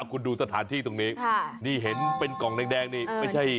คุณดูสถานที่ตรงนี้นี่เห็นเป็นกล่องแดงนี่ไม่ใช่